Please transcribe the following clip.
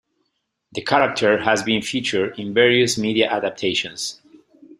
The character has been featured in various media adaptions.